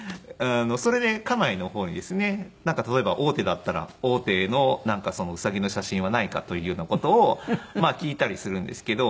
それで家内の方にですねなんか例えば王手だったら王手のウサギの写真はないか？というような事を聞いたりするんですけど。